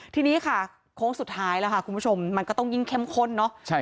ทีนี้ค่ะโค้งสุดท้ายแล้วค่ะคุณผู้ชมมันก็ต้องยิ่งเข้มข้นเนาะ